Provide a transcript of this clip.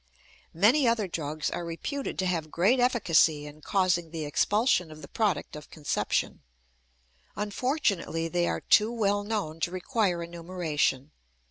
Many other drugs are reputed to have great efficacy in causing the expulsion of the product of conception; unfortunately, they are too well known to require enumeration.